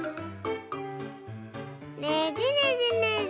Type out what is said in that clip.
ねじねじねじ。